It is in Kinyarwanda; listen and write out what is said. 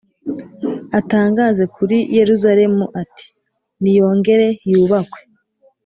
atangaze kuri yeruzalemu, ati «niyongere yubakwe»,